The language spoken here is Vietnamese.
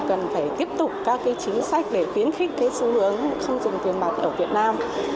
cần phải tiếp tục các chính sách để khuyến khích cái xu hướng không dùng tiền mặt ở việt nam